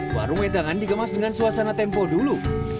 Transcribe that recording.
warung wedangan dikemas dengan suasana tempo dulu